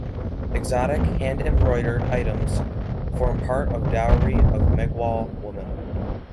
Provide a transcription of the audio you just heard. Exotic hand-embroidered items form part of dowry of Meghwal woman.